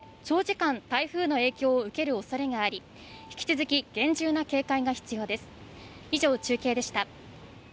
沖縄地方は週末にかけて、長時間、台風の影響を受けるおそれがあり、引き続き厳重な警戒が必要です。